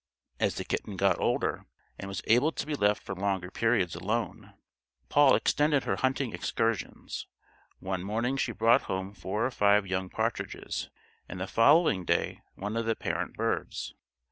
As the kitten got older, and was able to be left for longer periods alone, Poll extended her hunting excursions: one morning she brought home four or five young partridges, and the following day one of the parent birds.